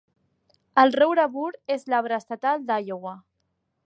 El roure bur és l'arbre estatal d'Iowa.